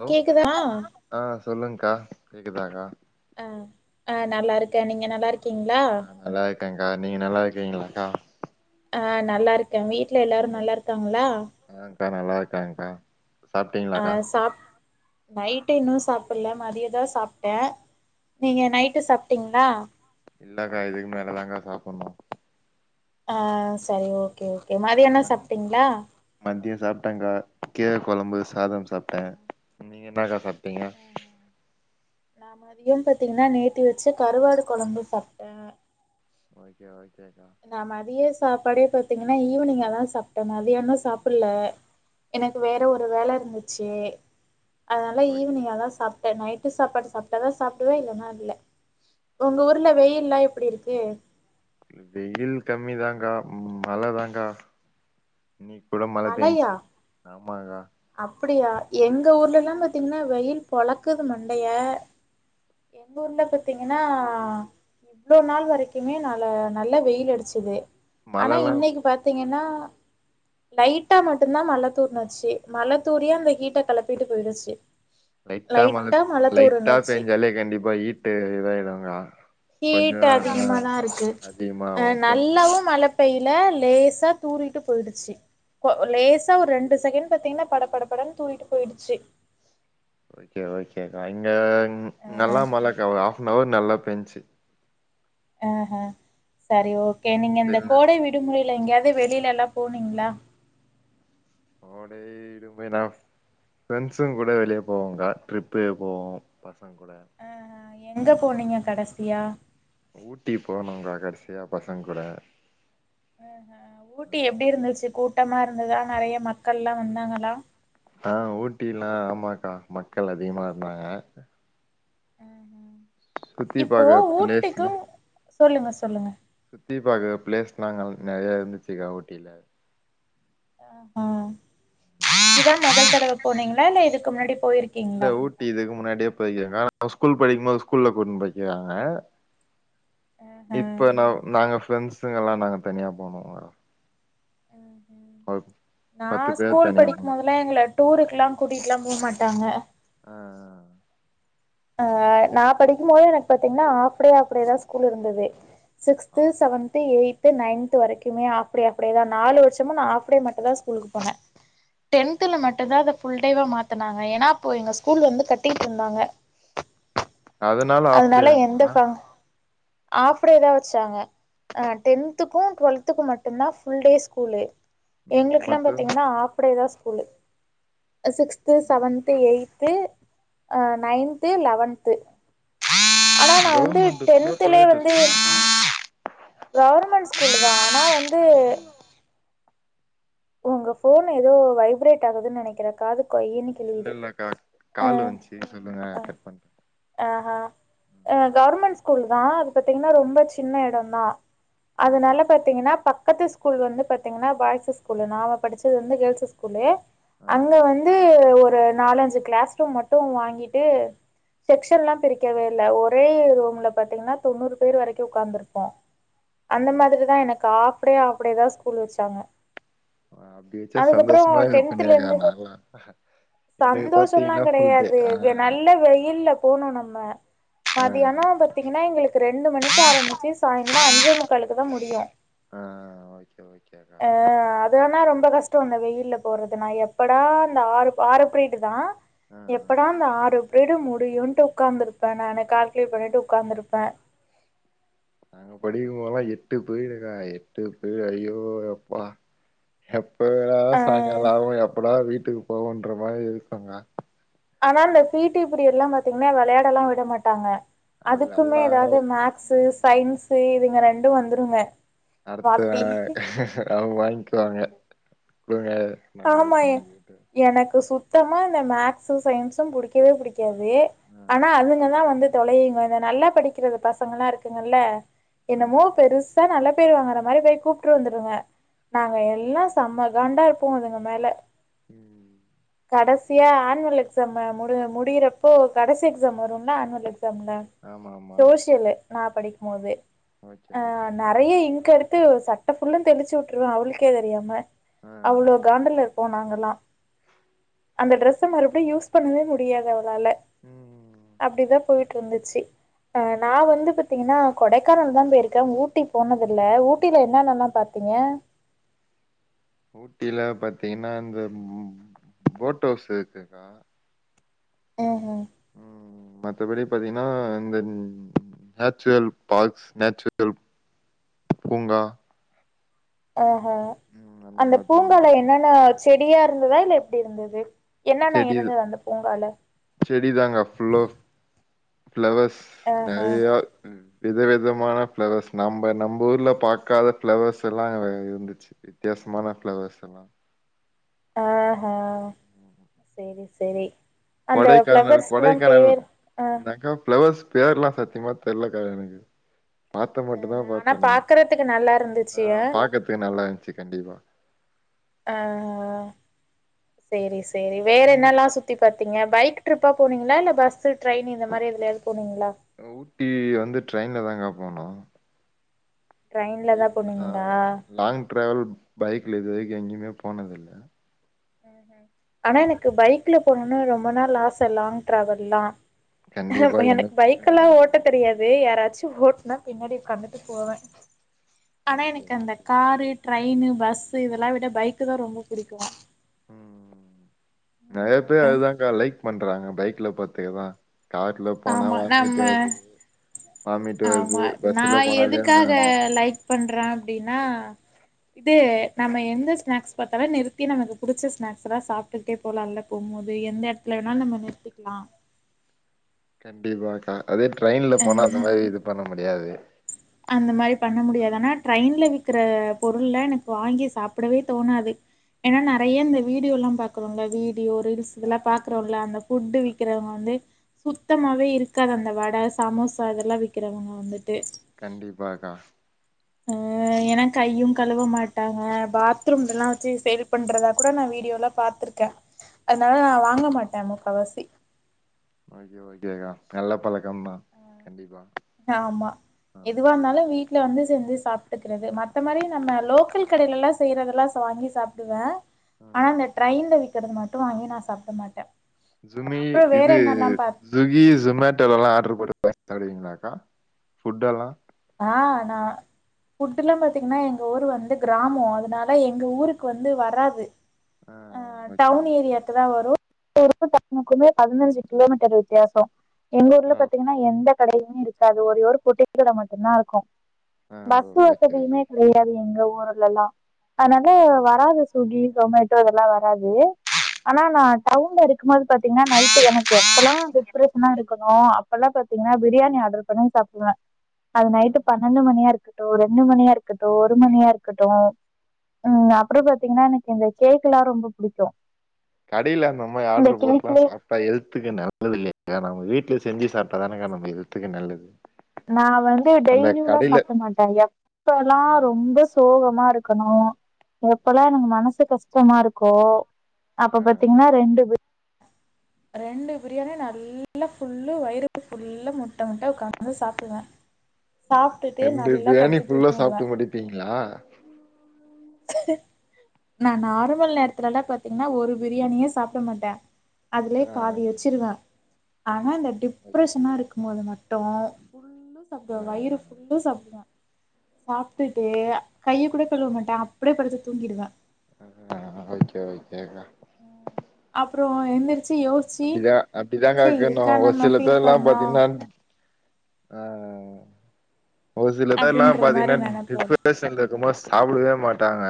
Hello கேக்குது ஆ ஆ சொல்லுங் கா கேக்குதாக்கா ஆ ஆ நல்லாருக்கே நீங்க நல்லாருக்கீங்ளா நல்லாருக்கேங்கா நீங்க நல்லாருக்கீங்ளாக்கா ஆ நல்லாருக்கே வீட்ல எல்லாரு ம் நல்லாருக்காங்களா ஆங்க்கா நல்லாருக்காங்கக்கா ஆ சாபா நைட்டே இன்னு சாப்புட்ல மதியொதா சாப்டே நீங்க நைட்டு சாப்டீங்ளா இல்லக்கா இதுக் மேலதாங்கா சாப்புட்னூ ஆ சரி ஓகே ஓகே மதியானோ மத் சாப்டீங்ளா மதியோ சாப்டங்கா கீரக்கொழம்பு சாதம் சாப்டே நீங்க என்னாக்கா சாப்டீங்க நா மதியம் பாத்தீங்னா நேத்தி வச்ச கறுவாடு கொழம்பு சாப்டே ஓகே ஓகேக்கா நா மதிய சாப்பாடே பாத்தீங்கனா ஈவினிங்காதா சாப்டே மதியானோ சாப்புட்ல எனக்கு வேற ஒரு வேல இருந்துச்சி அதனால ஓகே ஈவினிங்காதா சாப் டே நைட்டு சாப்பாடு சாப்டாதா சாப்டுவே இல்லனா இல்ல ஒங்க ஊர்ல வெயில்லா எப்டி இருக்கு வெயில் கம்மிதாங்கா மழதாங்கா நீ கூட மழ மழையா பேஞ்ச்சி ஆமாங்கா அப்டியா எங்க ஊர்லலா பாத்தீங்கனா வெயில் பொழக்குது மண்டைய எங்க ஊர்ல பாத்தீங்கனா இவ்ளோ நாள் வரைக்குமே நல நல்ல வெயில் அடிச்சது ஆனா மழல்லா இன்னைக்கி பாத்தீங்கனா லைட்டா மட்டுந்தா மழ தூர்ணாச்சி மழ தூறியே அந்த ஹீட்ட கெளப்பிட்டு போயிருச்சி லைட்டா மழ லைட்டா தூறுனுச்சி பேஞ்சாலே கண்டிப்பா ஹீட்டு இதாயிடுங்கா கொஞ்சோ ஹீட் ஆ அதிகமாதா இருக்கு அ அதிகமாவு கொஞ்சோ நல்லாவு மழ பெய்ல லேசா தூறிகிட்டு போயிடுச்சி போ லேசா ஒர்ரெண்டு செகண்ட் பாத்தீங்கனா பட பட படன் தூறிட்டு போயிடுச்சி ஓகே ஓகேக்கா இங்க அ நல்லா மழக்கா ஒரு ஆஃப்னவர் நல்லா பேஞ்ச்சி ஆஹா சரி ஓகே நீங்கந்த சில்னஸ் கோடை விடுமுறையில எங்கயாது வெளியிலெல்லா போனீங்களா கோடை விடுமுறை நாஃப் ஃப்ரெண்ட்ஸுங் கூட வெளிய போவோங்கா ட்ரிப்பு போவோ பசங்க கூட ஆஹா எங்க போனீங்க கடைசியா ஊட்டி போனோங்கா கடைசியா பசங்க கூட ஆஹா ஊட்டி எப்டி இருந்துச்சி கூட்டமா இருந்ததா நெறைய மக்கள்லா வந்தாங்களா ஆ ஊட்டியில்லா நடமாட்டோ மக்கள் அதிகமா இருந்தாங்க ஆஹா. சுத்தி இப்போ பாக்க ஊட்டிக்கு பிளேஸ்ல சொல்லுங்க சொல்லுங்க சுத்தி பாக்க பிளேஸ் நாங்கள் நெறையா இருந்துச்சுக்கா ஊட்டியில ஆ இதா மொதல் தடவ போனீங்களா இல்ல இதுக்கு முன்னாடி போயிருக் இல்ல ஊட்டி இதுக்கு முன்னாடியே போயிருக்கேங்கா நா ஸ்கூல் படிக்கும்போது ஸ்கூல்ல கூட்டுனு போய்கிறாங்க ஆஹா இப்ப நவ் நாங்க ஃப்ரெண்ட்ஸுங்கல்லா நாங்க தனியா போனோங்கா ம் ம் நா பத்து பேர் ஸ்கூல் தனியா போனோ படிக்கும்போதல் லா எங்கள டூருக்குலா கூட்டிட்லா போ மாட்டாங்க ஆ ஆஹ் நான் படிக்கும் போதே எனக்கு பாத்தீங்கனா ஆஃப்டே ஆஃப்டே தா ஸ்கூல் இருந்ததே sixth of seventh eighth ninth வரைக்குமே ஆஃப்டே ஆஃப்டே தா நாலு வருஷமா நா ஆஃப்டே மட்டுந்தா ஸ்கூலுக்கு போனே டென்துல மட்டுந்தா அத ஃபுல் டேவா மாத்தனாங்க ஏனா அப்போ எங்க ஸ்கூல் வந்து கட்டிட்ருந்தாங்க ஆஃப் அதனால எந்த டேங்களா ஃபங் ஆப்ஃடேதா வெச்சாங்க அ டென்த்துக்கு டுவெல்த்துக்கு மட்டுந்தா ஃபுல் டே ஸ்கூலு ம் எங்ளுக்லா மத்த பாத்தீங்ன்னா ஆப்ஃடேதா ஸ்கூலு சிக்ஸ்த்து செவன்த்து எயித்து அ நைன்த்து லெவன்த்து ஆனா நா வந்து கவர்மெண்ட் ஸ்கூலா டென்துலயே பிரைவேட் வந்து ஸ்கூலா கவுர்மெண் ஸ்கூலுதா ஆனா வந்து உங்க ஃபோன் எதோ வைப்ரேட் ஆகுதுன் நெனைக்கிறே காது கொயின்னு இல்ல கிழியுது இல்லக்கா அ கால் வந்துச்சு சொல்லுங்க அ கட் பண்ட்டே ஆ ஹா அ கவுர்மெண் ஸ்கூல் தா அது பாத்தீங்ஒன்னா ரொம்ப சின்ன எடோந்தா ஓகே அதனால ஓகே பாத்தீங்கின்னா பக்கத்து ஸ்கூல் வந்து பாத்தீங்கன்னா பாய்ஸ் ஸ் கூலு நாம படிச்சது வந்து கேஸ் ஸ்கூலு ஆ அங்க வந்து ஒரு நாலஞ்சு க்ளாஸ் [unintelligible] ரூம் மட்டு வாங்கிட்டு செக்க்ஷன்ல்லா பிரிக்கவே இல்ல ஒரே ரூம்ல பாத்தீங்ன்னா தொண்ணூறு பேர் வரைக்கோ உக்காந்துருப்போ ஓ அந்த மாதிரிதா எனக்கு ஆஃப்டே ஆஃப்டே தா ஸ்கூலு வெச்சாங்க அ அபடி வெச்சா சந்தோஸ்மா இருப்பேனேக்கா நாலா சந்தோஷல்லா கெடையாது வ நல்ல வெயில்ல போனு நம்ம ஆ மதியானோ ப த்தீங்கன்னா எங்களுக்கு ரெண்டு மணிக்கு ஆரம்பிச்சு சாயந்திரோ அஞ்சே முக்காலளுக்குதா முடியு ஆ ஓகே ஓகேக்கா அ அ து ஆனா ரொம்ப கஷ்டோ அந்த வெயில்ல போறதுனா எப்படா இந்த ஆறு ஆறு ப்ரீடு தா ஆ எப்படா அந்த ஆறு ப்ரீயடு முடியுன்ட்டு உக்காந்திருப்பே நானு கால்குலேட் பண்ணிட்டு உக்காந்திருப்பே நாங்க படிக்கும்போத்லா எட்டு பிரீயடுக்கா எட்டு பீயட் ஐயோ யெப்பா எப்படா அ சாய்ங்காளோ ஆவு எப்படா வீட்டுக்கு போவோன்ற மாரி இருக்கோங்க ஆனா இந்த பீடி பீரியட்ல்லா பாத்தீஙன்னா வெளயாடெல்லா விட மாட்டாங்க அதுக்குமே அதெல்லா எதாவ்து மேக்ஸு ம் சயின்ஸு இதுங்க ரெண்டு வந்துருங்க அடுத்துதா வாத்தி அவுங் வாய்ங்க்குவாங்க குடுங்க நாங்க இது ஆமா பண்ணிக்கிட்டு எனக்கு சுத்தமா இந்த மேக்ஸு சயின்ஸு புடிக்கவே புடிக்காது ஆ ஆனா அதுங்கதா வந்து தொலையுங்க இந்த நல்லா படிக்கிறத பசங்கெல்லா இருக்குங்கல்ல ஆ என்னமோ பெரு சா நல்ல பேர் வாங்கற மாரி போய் கூப்ட்ரு வந்துடுங்க நாங்க எல்லா சம்மா காண்டாருப் போ அதுங்க மேல ம் கடசியா ஆன்வல் எக்ஸாமு முடி முடியிறப்போ கடசி எக்ஸாம் வரும்ல ஆன்வல் எக்ஸாமுல ஆமா ஆமா சோசியலு நா படிக்குமோது ஓகே அ ஓகே நறைய இங்கெடுத்து சட் ட ஃபுல்லு தெளிச்சு வுட்ருவை அவளுக்கே தெரியாம ஆ அவ்ளோ காண்டுல இருப்போ நாங்கல்லா அந்த ட்ரெஸ்ஸ மறுப்டியு யூஸ் பண்ணவே முடியாது அவளால ம் அப்டிதா போயிட்ருந்துச்சு அ நா வந்து பாத்தீங்கன்னா கொடைக்கானல் தா போயிருக்கே ஊட்டி போனதில்ல ஊட்டியில என்னன்னலா பாத்தீங்க ஊட்டில பாத்தீங்கன்னா இந்த போட் ஹவுஸ் இருக்குக்கா ஆ ஆ ம் மத்தபடி பாத்தீங்கன்னா இந்த நேச்சுரல் பார்க்ஸ் நேச்சுரல் பூங்கா ஆஹா ம் அந்த மாரிதாங்க பூங்கால ஊட்டி என்னன்ன செடியா இருந்துதா இல்ல எப்டி இருந்துது என்னன்ன செடி இருந்துது அந்த பூங்கால செடி தாங்க ஃபுல்லோ ஃப்ளவர்ஸ் ஆஹா. நெறையா இருந் விதவிதமான ஃப்ளவர்ஸ் நம்ப நம்ப ஊர்ல பாக்காத ஃப்ளவர்ஸெல்லா இருந்துச்சு வித்தியாசமான ஃப்ளவர்ஸ் எல்லா ஆஹா செரி செரி கொடைக்கானல் கொடைக்கானல் ஆ என்னக்கா ஃப்ளவர்ஸ் பேர்லா சத்தியமா தெர்லக்கா எனக்கு பார்த்த மட்டுந்தா பாத்தே ஆனால் நானு பார்க்கறதுக்கு நல்லா இருந்துச்சு ஆ பாக்றதுக்கு நல்லா இருந்துச்சு கண்டிப்பா ஆ சேரி சேரி வேற ம் என்னல்லா சுத்தி பாத்தீங்க பைக் ட்ரிப்பா போனீங்களா இல்ல பஸ்ஸு ட்ரெயின் இந்த மாரி எதுலயாவ்து போனீங்ளா ஊட்டி வந்து ட்ரெயின்ல தாங்க போனோ ட்ரெயின்ல தா பைக்ல அ போனீங்களா லாங் ட்ராவல் பைக்ல இது வரைக்கு எங்கேயுமே போனது இல்ல ம் ம் ஆனா எனக்கு பைக்ல போனுன்னு ரொம்ப நாள் ஆச லாங் டிராவல்லா அஹ கண்டிப்பா எனக்கு பைக் க்கெல்லா ம் ஓட்ட தெரியாது யாராச்சு ஓட்டுனா பின்னாடி உக்காந்துட்டு போவே ஆனா ஓகே எனக்கு அந்த ஓகே காரு ட்ரெயினு பஸ்சு இதெல்லா விட பைக்கு தா ரொம்ப புடிக்கு ம் நெறைய பேர் அதுதாக்கா லைக் பண்றாங்க பைக்ல போத்துக்தா கார்ல போனா ஆமா வாமிட் நம்ம வருது வாமிட்டு வருது ஆமா பஸ்ல போனாலேயா பண்றா அப்டினா து நம்ம எந்த ஸ்நாக்ஸ் பாத்தாலு நிறுத்தி நமக்கு புடிச்ச ஸ்நாக்ஸ் எல்லா சாப் டுட்டே போலால்ல போம்போது எந்த எடத்துல வேணா நம்ம நிறுத்திக்லா கண்டிப்பாக்கா அதே ட்ரெயின்ல போனா அந்த மாரி இது பண்ண முடியாது அந்த மாரி பண்ண ஆ முடியாது ஆனா ட்ரெயின்ல விக்கிற பொருள்லா எனக்கு வாங்கி சாப்டவே தோணாது ஏனா நெறைய இந்த வீடியோலா பாக்றோங்ள வீடியோ ரீல்ஸ் இதெல்லா பாக்கறோல அந்த ஃபுட்டு விக்கிறவங்க வந்து சுத்தமாவே இருக்காது அந்த வட சமோசா இதெல்லா விக்கிறவங்க வந்துட்டு கண்டிப்பாக்கா ஆ ஏனா கையும் கழுவ மாட்டாங்க பாத்ரூம்லல்லா வச்சு சேல் பண்றதா கூட நா வீடியோல பாத்துருக்கே அதனால நா வாங்க மாட்டே முக்காவாசி ஓகே ஓகேக்கா நல்ல பழக்கொந்தா ம் ஆமா ஆ எதுவா இருந்தாலு வீட் ல வந்து செஞ்சு சாப்ட்டுக்கிறது மத்த நேரோல்லா நம்ம லோக்கல் கடைலலா செய்றதெல்லா சாப் வாங்கி சாப்டுவே ஆனா ம். அந்த ட்ரயின்ல விக்கறது மட்டு வாங்கி நா சாப்ட மாட்டே ம் ஜுமி அப்றோ வேற இது என்னெல்லா பா ஸ்விக்கி சொமேட்டோலலா ஆர்டரு போட்டு சாப்டுவிங்களாக்கா ஃபுட்டெல்லா ஆ நா ஃபுட்டுல்லா பாத்தீங்கன்னா எங்க ஊர் வந்து கிராமோ அதனால எங்க ஊருக்கு வந்து வராது ஆ அ ஓகே டவுண் ஓகே ஏரியாக்குதா வரு எங்க ஊருக்கு டவுனுக்குமே பதினஞ்சு கிலோமீட்டர் வித்யாசோ எங்க ஊர்ல ஆ பாத்தீங்கன்னா எந்த கடையுமே இருக்காது ஒரே ஒரு பொட்டி கடை மட்டுதா இருக்கு ஆ பஸ்சு ஓகே ஓகே. வசதியுமே கெடையாது எங்க ஊர்லல்லா அதனால வராது சுகி சொமே ட்டோ இதெல்லா வராது ஆனா நா டவுன்ல இருக்கு போது பாத்தீங்கன்னா நைட் எனக்கு எப்பல்லா டிப்ரேஷனா இருக்கனோ அப் பல்லா பாத்தீங்கனா பிரியாணி ஆட்ரு பண்ணி சாப்டுவே அது ஆ நைட்டு பன்னெண்டு மணியா இருக்கட்டு ரெண்டு மணியா இருக்கட்டு ஒரு மணியா இருக்கட்டு ம் அப்றோ பாத்தீங்கன்னா எனக்கு இந்த கேக் எல்லா ரொம்ப புடிக்கு கடில அந்த மாரி இந்த ஆட்ரு போட்லா கேக்லயே சாப் அப்ப ஹெல்த்துக்கு நல்லது இல்லயக்கா நம்ம வீட்ல செஞ்சு சாப்டாதானேக்கா நம்ம ஹெல்த்துக்கு நல்லது நா வந்து அந்த டெய்லியுலா கடையில சாப்ட மாட்ட எப் பல்லா ஆ ரொம்ப சோகமா இருக்கனோ எப்பல்லா எனக்கு மனசு கஷ்டமா இருக்கோ அப்ப ஆ பாத்தீங்ன்னா ரெண்டு பி ரெண்டு பிரியாணி நல்லா ஃபுல்லு வயிறு ஃபுல்ல முட்ட முட்ட உக்காந் ந்து சாப்டுவ சாப்டுட்டு நல்லா படுத்து தூங்கிடுவ அப்டிங்ளா நா நார்மல் நேரத்துலல்ல பாத்தீங்ன்னா ஒரு பிரியாணியே சாப்ட மாட்டே அதுலயே ஆ பாதி வெச்சிருவ ஆனா ஓகே டிப்ரஷனா இருக்கு மோது மட்டு ஃபுல்லு சப்டுவ ஆ வயிறு ஃபுல்லா சாப்டுவ சாப்டுட்டு கைய கூட கழுவ மாட்ட அப்டியே படுத்து தூங்கிடுவ ஒகே ஒகேக்கா அப்றோ எந்திரிச்சு யோஸ் அப்டிதா அப்டிதாங்க இக்கணு ஒரு சில ஃபீல் பேர்லா பண்ணோ பாத்தீன்னா ஆ ஒரு சில பேர்லா அப்டின்ற மாரி பாத்தீங்ன்னா நெனப்போ டிப்ரெஷ் சன்ல இருக்கும் மோத் சாப்டவே மாட்டாங்க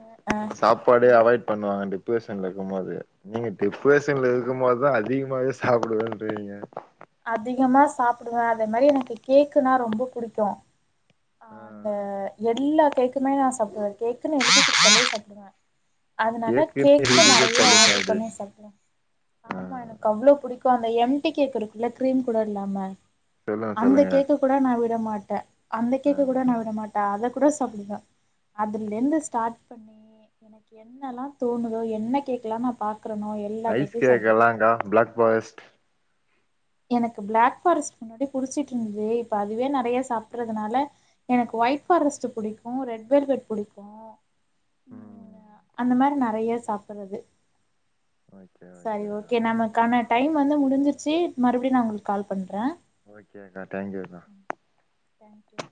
அ ஆ சாப்பாடே அவாய்ட் பண்ணுவாங்க டிப்ரஷன்ல இருக்கும்மோது நீங்க டிப்ரஷன்ல இருக்கும்மோதா அதிகமாவே சாப்டுவேன்றீங்க அதிகமா சாப்புடுவ அதேமரி எனக்கு கேக்குனா ரொம்ப புடிக்கும் ஆ அந்த எல்லா கேக்கும்மே நா சாப்டுவ கேக்குன்னு எழுதி குடுத்தாலே சாப்புடுவ அதனால கேக்குன்னு கேக்கும் ஹெல்தியா நெறைய சாப்ட ஆட்ரு பண்ணி சாப்டுவீங்க சாப்டுவ ஆ ஆமா எனக்கு அவ்ளோ புடிக்கும் அந்த எம்டி கேக் இருக்குள்ள க்ரீம் கூட இல்லாம சொல்லுங்க அந்த சொல்லுங்க கேக்கு கூட நா விட மாட்ட அந்த ஆ கேக்கு கூட நா விடமாட் ட அத கூட சாப்புடுவ அதுலேந்து ஸ்டாட் பண்ணி எனக்கு என்னலா தோணுதோ என்ன கேக்குலா நா பாக்றனோ எப் ஐஸ் கேக்கலாங்க்கா ப்ளாக் ஃபாரஸ் எனக்கு ப்ளாக் ஃபாரஸ் முன்னாடி புடிச்சிட்ருந்துது இப்ப அதுவே நெறைய சாப்புறதுனால எனக்கு ஒயிட் ஃபாரஸ்ட்டு புடிக்கும் ரெட் வெல்வட் புடிக்கும் ம் அந்தமாரி நெறைய சாப்பறது ஓகே சரி ஓகேக்கா ஓகே நமக்கான டைம் வந்து முடிஞ்சிர்ச்சு மறுபடியும் நா உங்குள்க் கால் பண்ற ஓகேக்கா டேங்க்யூ அக்கா தேங்க் யூ